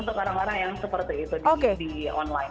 untuk orang orang yang seperti itu di online